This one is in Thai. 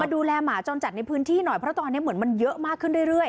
ดูแลหมาจรจัดในพื้นที่หน่อยเพราะตอนนี้เหมือนมันเยอะมากขึ้นเรื่อย